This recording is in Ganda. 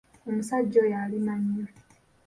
Omusajja oyo alima nnyo.